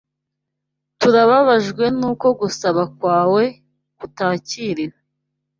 Turababajwe nuko gusaba kwawe kutakiriwe.